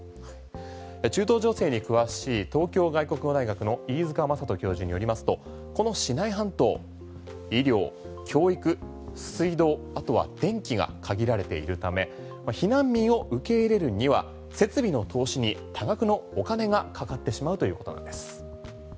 中東情勢に詳しい東京外国語大学の飯塚正人教授によりますとこのシナイ半島医療、教育水道、電気が限られているため避難民を受け入れるには設備の投資に多額のお金がかかってしまうということなんです。